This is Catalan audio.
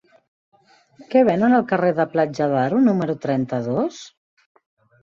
Què venen al carrer de Platja d'Aro número trenta-dos?